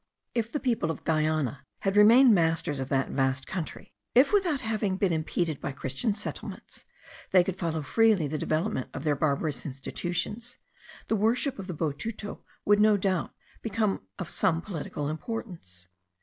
If the people of Guiana had remained masters of that vast country; if, without having been impeded by Christian settlements, they could follow freely the development of their barbarous institutions; the worship of the botuto would no doubt become of some political importance.